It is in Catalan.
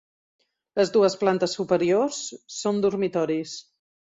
Les dues plantes superiors són dormitoris.